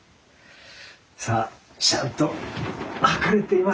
さあちゃんと測れていますか。